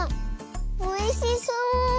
おいしそう！